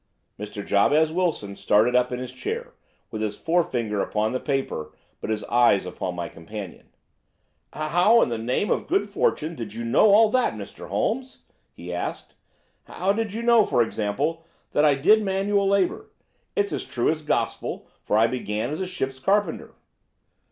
Mr. Jabez Wilson started up in his chair, with his forefinger upon the paper, but his eyes upon my companion. "How, in the name of good fortune, did you know all that, Mr. Holmes?" he asked. "How did you know, for example, that I did manual labour. It's as true as gospel, for I began as a ship's carpenter."